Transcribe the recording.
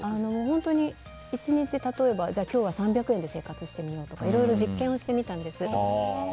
本当に１日、今日は３００円で生活してみようとかいろいろ実験をしてみたんです。